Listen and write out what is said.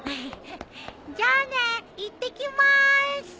じゃあねいってきます！